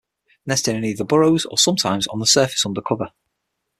Nesting either in burrows or sometimes on the surface under cover.